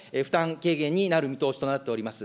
軽減になる見通しとなっております。